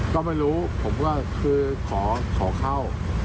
ก็ไม่รู้ผมก็คือขอเข้า